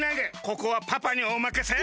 ここはパパにおまかせ！